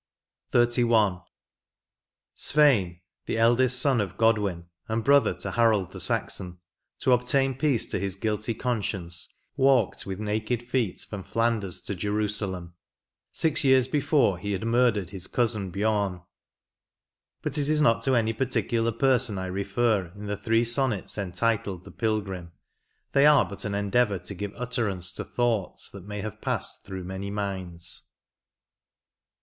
62 XXXI, SvEiN, the eldest son of Godwin, and brother to Harold the Saxon, to obtain peace to his guilty conscience, walked with naked feet from Flanders to Jerusalem. Six years before he had murdered his cousin Beom ; but it is not to any particular person I refer in the three sonnets entitled " The Pilgrim," — they are but an endeavour to give utter ance to thoughts that may have passed through many minds.